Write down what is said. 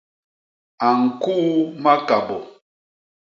A ñkuu makabô.